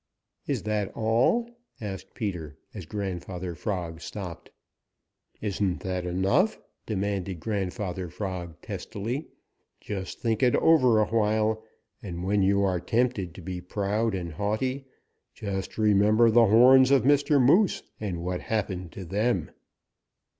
"Is that all?" asked Peter, as Grandfather Frog stopped. "Isn't that enough?" demanded Grandfather Frog testily. "Just think it over a while, and when you are tempted to be proud and haughty just remember the horns of Mr. Moose and what happened to them."